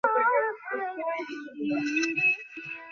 এর পূর্বে ঘোড়া ছিল নেহায়েতই একটি বন্য প্রাণী।